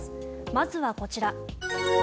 まずはこちら。